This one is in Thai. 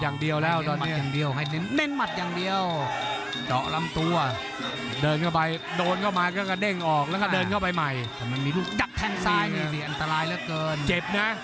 อ้าวเหลือหมัดอย่างเดียวแล้วตรงนี้เผาให้เ